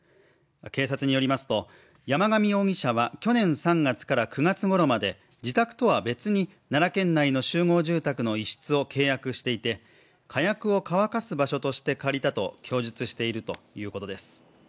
警察によりますと、山上容疑者は去年３月から９月ごろまで自宅とは別に奈良県内の集合住宅の一室を契約していて火薬を乾かす場所として借りたと供述しているということです。